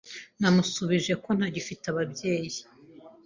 Namushubije ko ntagifite ababyeyi.